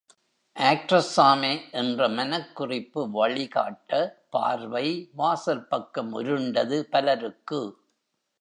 ஆக்ட்ரஸாமே! என்ற மனக் குறிப்பு வழிகாட்ட பார்வை வாசல் பக்கம் உருண்டது பலருக்கு.